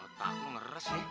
otak lo ngeres ya